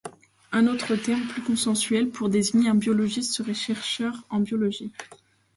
Un autre terme, plus consensuel, pour désigner un biologiste serait chercheur en biologie.